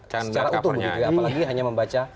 secara utuh apalagi hanya membaca